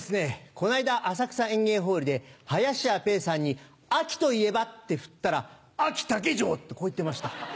この間浅草演芸ホールで林家ペーさんに「秋といえば？」ってふったら「あき竹城」ってこう言ってました。